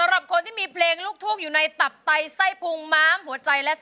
รอมได้ให้ล้าน